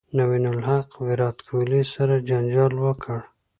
نوین الحق ویرات کوهلي سره جنجال وکړ